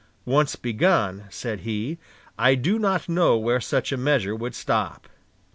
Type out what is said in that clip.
'Once begun,' said he, 'I do not know where such a measure would stop.'